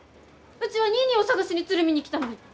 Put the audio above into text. うちはニーニーを捜しに鶴見に来たのに！